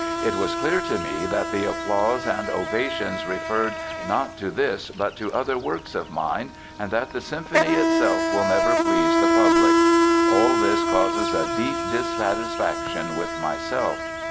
It was clear to me that the applause and ovations referred not to this but to other works of mine, and that the symphony itself will never please the public. All this causes a deep dissatisfaction with myself.